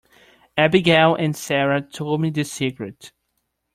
Abigail and Sara told me the secret.